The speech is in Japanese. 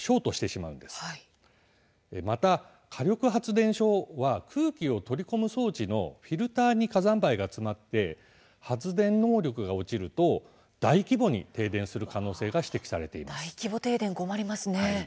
また火力発電所は空気を取り込む装置のフィルターに火山灰が詰まって発電能力が落ちると大規模に停電大規模停電、困りますね。